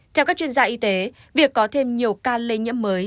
theo các chuyên gia y tế việc có thêm nhiều ca lây nhiễm mới